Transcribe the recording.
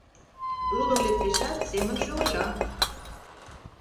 Лудын лектешат, семынже ойла.